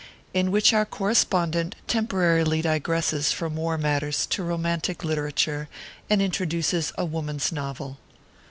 IN WHICH OUR CORRESPONDENT TEMPORARILY DIGRESSES FROM WAR MATTERS TO ROMANTIC LITERATURE, AND INTRODUCES A WOMAN S NOVEL.